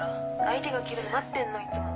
相手が切るの待ってんのいつも。